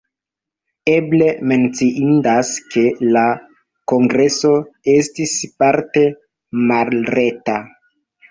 Eble menciindas, ke la kongreso estis parte malreta.